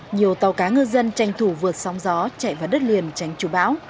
nhiều tàu cá ngư dân tranh thủ vượt sóng gió chạy vào đất liền tránh chủ báo